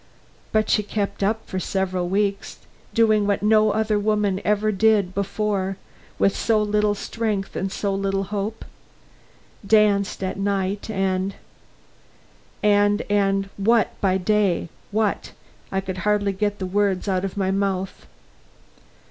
But she kept up for several weeks doing what no other woman ever did before with so little strength and so little hope. Danced at night and " "And and what by day, what?" I could hardly get the words out of my mouth.